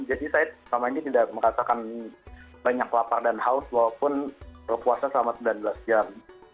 jadi saya selama ini tidak merasakan banyak lapar dan haus walaupun berpuasa selama sembilan belas jam